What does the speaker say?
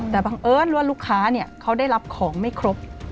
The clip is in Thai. แต่บังเอิญว่าลูกค้าเขาได้รับของไม่ครบ